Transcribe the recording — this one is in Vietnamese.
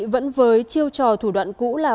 vẫn với chiêu trò thủ đoạn cũ là